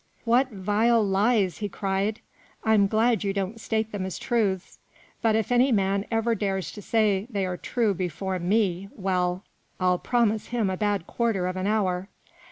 " What vile lies !" he cried. " I'm glad you don't state them as truths ; but if any man ever dares to say they are true before me well, I'll promise him a bad quarter of an hour.